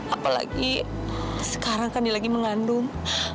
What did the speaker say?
apalagi sekarang kan dia lagi mengandung